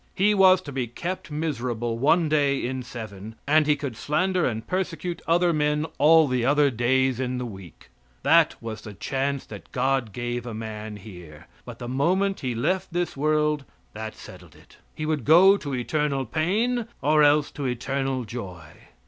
He was to be kept miserable one day in seven, and he could slander and persecute other men all the other days in the week. That was the chance that God gave a man here, but the moment he left this world that settled it. He would go to eternal pain or else to eternal joy.